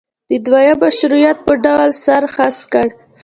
د دویم مشروطیت په ډول سر هسک کړ.